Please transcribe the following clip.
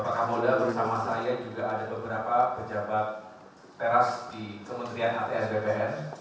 pak kapolda bersama saya juga ada beberapa pejabat teras di kementerian atr bpn